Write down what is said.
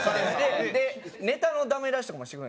でネタのダメ出しとかもしてくれるんですよ。